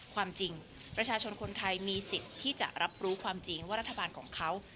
ความจริงประชาชนคนไทยมีสิทธิ์ที่จะรับรู้ความจริงว่ารัฐบาลของเขา